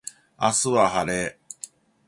明日は晴れ